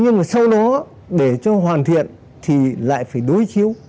nhưng mà sau đó để cho hoàn thiện thì lại phải đối chiếu